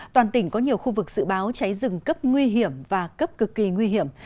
toàn tỉnh có nhiều khu vực dự báo cháy rừng cấp nguy hiểm và cấp cực kỳ nguy hiểm